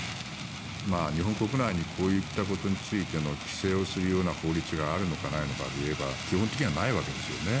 日本国内にこういったことについての規制をするような法律があるのかないのかで言えば基本的にはないわけですよね。